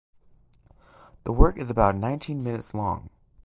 The work is about nineteen minutes long.